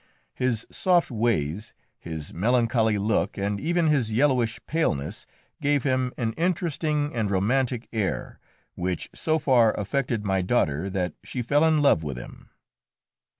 His soft ways, his melancholy look, and even his yellowish paleness, gave him an interesting and romantic air, which so far affected my daughter that she fell in love with him.